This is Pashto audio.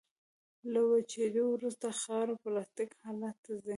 له وچېدو وروسته خاوره پلاستیک حالت ته ځي